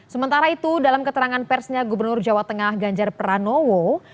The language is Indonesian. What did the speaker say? sementara itu dalam keterangan persnya gubernur jawa tengah ganjar pranowo